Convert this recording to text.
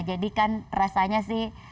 jadi kan rasanya sih